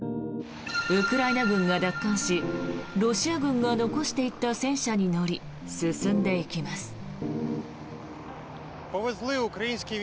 ウクライナ軍が奪還しロシア軍が残していった戦車に乗り進んでいきます。